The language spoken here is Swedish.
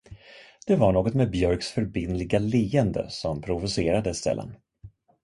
Det var något med Björks förbindliga leende som provocerade Stellan.